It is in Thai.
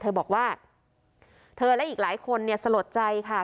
เธอบอกว่าเธอและอีกหลายคนเนี่ยสลดใจค่ะ